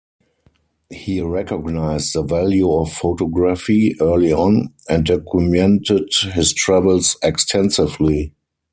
He recognized the value of photography early on, and documented his travels extensively.